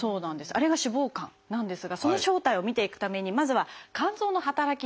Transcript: あれが脂肪肝なんですがその正体を見ていくためにまずは肝臓の働きについてご紹介しようと思います。